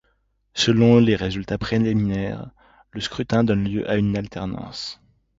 Selon les résultats préliminaires, le scrutin donne lieu à une alternance.